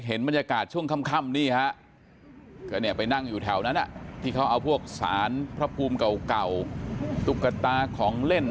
เอาลูกปั้นเก่าตุ๊กตาของเล่น